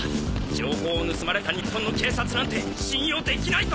情報を盗まれた日本の警察なんて信用できないと！